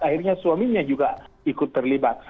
akhirnya suaminya juga ikut terlibat